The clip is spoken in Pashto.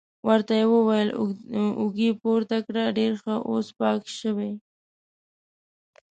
ورته یې وویل: اوږې پورته کړه، ډېر ښه، اوس پاک شوې.